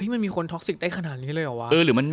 มันมีคนท็อกซิกได้ขนาดนี้เลยเหรอวะ